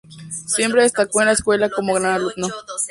Siempre destacó en la escuela como gran alumno.